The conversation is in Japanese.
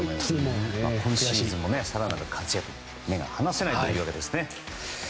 今シーズンの更なる活躍に目が離せないということです。